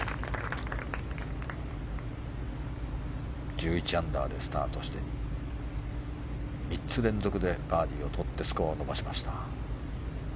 １１アンダーでスタートして３つ連続でバーディーを取ってスコアを伸ばしました。